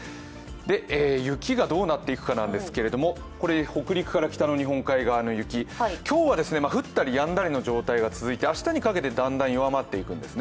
雪がどうなっていくかなんですけれども、これ北陸から日本海側の雪、今日は降ったりやんだりの状態が続いて明日にかけてだんだん弱まっていくんですね。